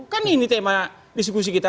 kan ini tema diskusi kita